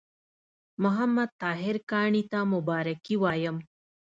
محمد طاهر کاڼي ته مبارکي وایم.